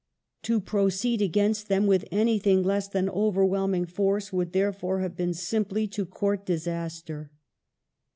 To proceed against them with anything less than overwhelming force would, therefore, have been simply to court disaster.